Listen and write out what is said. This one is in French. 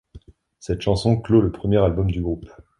Cette chanson clôt le premier album du groupe.